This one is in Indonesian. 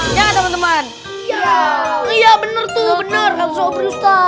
iya bener tuh bener